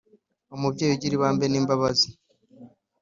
umubyeyi ugira ibambe n’imbabazi